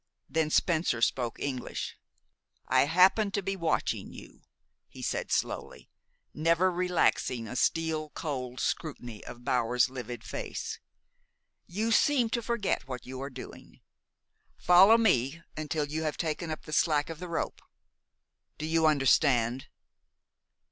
Then Spencer spoke English. "I happen to be watching you," he said slowly, never relaxing a steel cold scrutiny of Bower's livid face. "You seem to forget what you are doing. Follow me until you have taken up the slack of the rope. Do you understand?"